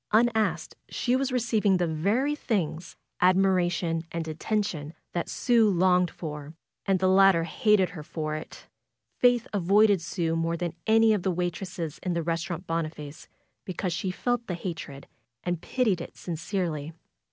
Unasked she was receiving the very things — admiration and attention — that Sue longed for, and the later hated her for it. Faith avoided Sue more than any of the waitresses in the Restaurant Boniface because she felt the hatred and pitied it sincerely.